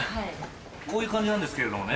こういう感じなんですけれどもね。